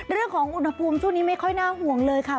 เรื่องของอุณหภูมิช่วงนี้ไม่ค่อยน่าห่วงเลยค่ะ